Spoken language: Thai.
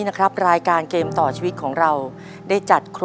ในแคมเปญพิเศษเกมต่อชีวิตโรงเรียนของหนู